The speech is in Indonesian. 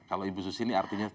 kalau ibu susi ini artinya